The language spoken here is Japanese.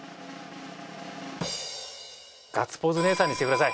ガッツポーズ姉さんにしてください。